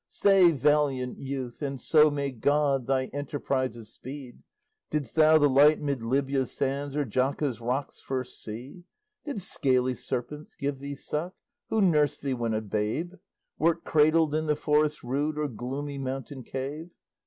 Say, valiant youth, and so may God Thy enterprises speed, Didst thou the light mid Libya's sands Or Jaca's rocks first see? Did scaly serpents give thee suck? Who nursed thee when a babe? Wert cradled in the forest rude, Or gloomy mountain cave?